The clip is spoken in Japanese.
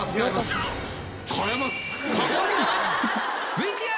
ＶＴＲ。